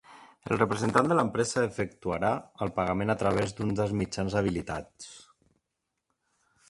El representant de l'empresa efectuarà el pagament a través d'un dels mitjans habilitats.